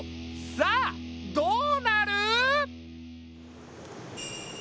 さあどうなる？